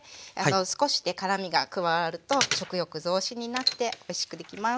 少しね辛みが加わると食欲増進になっておいしくできます。